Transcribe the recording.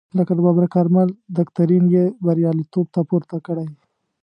لکه د ببرک کارمل دکترین یې بریالیتوب ته پورته کړی.